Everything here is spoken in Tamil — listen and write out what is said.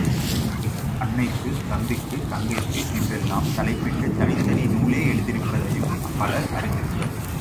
சிலர், அன்னைக்கு தம்பிக்கு தங்கைக்கு என்றெல்லாம் தலைப்பிட்டுத் தனித்தனி நூலே எழுதியிருப்பதையும் பலரும் அறிந்திருப்பர்.